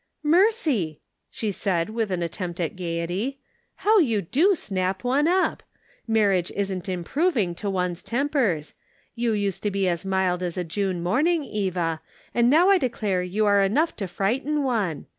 " Mercy !" she said, with an attempt at gaiety ;" how you do snap one up ! Marriage isn't improving to people's tempers ; you used to be as mild as a June morning, Eva, and now I declare you are enough to frighten one.